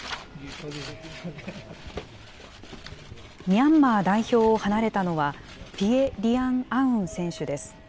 ミャンマー代表を離れたのは、ピエ・リアン・アウン選手です。